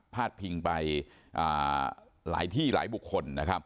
พาดพิงไปหลายที่หลายบุคคลฯ